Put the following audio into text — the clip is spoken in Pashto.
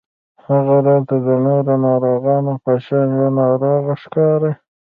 هغه راته د نورو ناروغانو په شان يوه ناروغه ښکاري